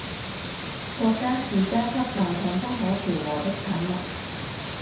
国家是阶级矛盾不可调和的产物